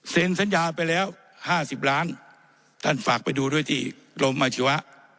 เสนสัญญาไปแล้ว๕๐ล้านท่านฝากไปดูด้วยที่โรงมาชีวะ